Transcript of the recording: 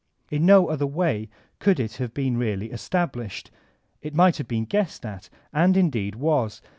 In no other way could it have been really established. It might have bttn guessed at, and indeed was.